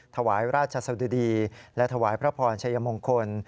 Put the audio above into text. ถวายราชสะดุดีและถวายพระพรชัยมงคล